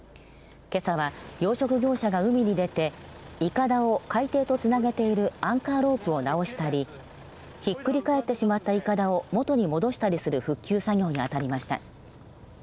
けさは、養殖業者が海に出ていかだを海底とつなげているアンカーロープを直したりひっくり返ってしまったいかだを元に戻したりする復旧作業にあたりました。